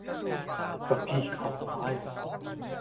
กระพี้เขาควาย